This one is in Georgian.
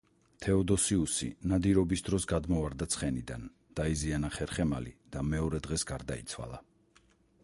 თეოდოსიუსი ნადირობის დროს გადმოვარდა ცხენიდან, დაიზიანა ხერხემალი და მეორე დღეს გარდაიცვალა.